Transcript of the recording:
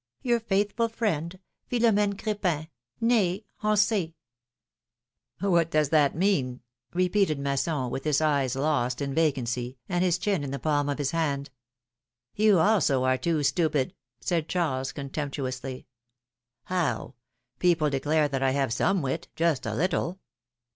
Your faithful friend, ^'PniLOMi^NE Crispin, ^^nee Hensey.^^ What does that mean ?'' repeated Masson, with his eyes lost in vacancy, and his chin in the palm of his hand. You, also, are too stupid !" said Charles, contempt uously. ^^How? People declare that I have some wit — just a little.